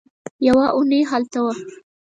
يوه اوونۍ هلته وه.